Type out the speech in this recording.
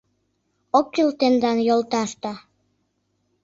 Ок кӱл тендан йолташда.